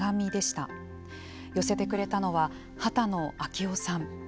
寄せてくれたのは波多野暁生さん。